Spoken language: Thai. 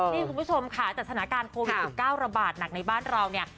นี่คุณผู้ชมค่ะจากสถานการณ์โควิด๑๙ระบาดหนักในบ้านเราเนี่ย